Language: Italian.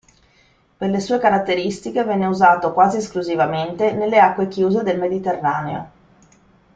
Per le sue caratteristiche venne usato quasi esclusivamente nelle acque chiuse del Mediterraneo.